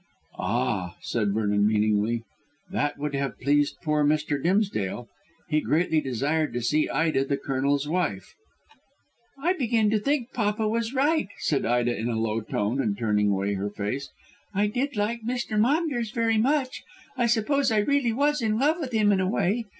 "Ah!" said Vernon meaningly, "that would have pleased poor Mr. Dimsdale. He greatly desired to see Ida the Colonel's wife." "I begin to think papa was right," said Ida in a low tone and turning away her face. "I did like Mr. Maunders very much. I suppose I really was in love with him in a way.